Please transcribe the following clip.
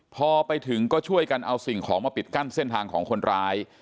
พอไปถึงก็ช่วยกันเอาสิ่งของมาปิดกั้นเส้นทางของคนร้าย